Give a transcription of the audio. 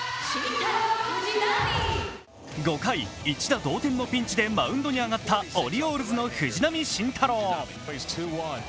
５回、１打同点のピンチでマウンドに上がったオリオールズの藤浪晋太郎。